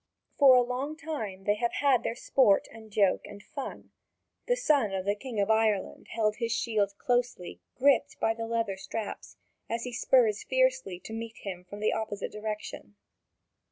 For a long time they have had their sport and joke and fun. The son of the King of Ireland held his shield closely gripped by the leather straps, as he spurs fiercely to meet him from the opposite direction.